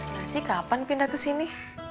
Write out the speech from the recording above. masih kapan pindah ke sini